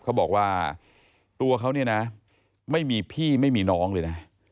เขาบอกว่าตัวเขาเนี่ยนะไม่มีพี่ไม่มีน้องเลยนะ